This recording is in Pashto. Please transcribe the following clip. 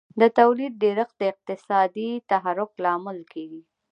د تولید ډېرښت د اقتصادي تحرک لامل کیږي.